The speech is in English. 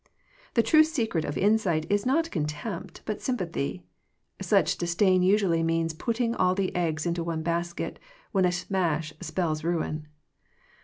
The true secret of insight is not contempt, but sympathy. Such disdain usually means putting all the eggs into one basket, when a smash spells ruin.